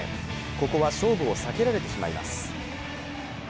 ここは勝負を避けられてしまいます。